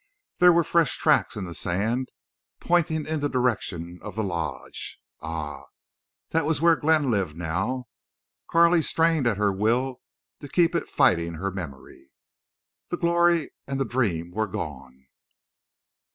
There were fresh tracks in the sand, pointing in the direction of the Lodge. Ah! that was where Glenn lived now. Carley strained at her will to keep it fighting her memory. The glory and the dream were gone!